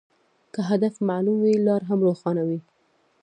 که هدف معلوم وي، لار هم روښانه وي.